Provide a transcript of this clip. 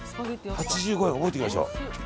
８５円、覚えておきましょう。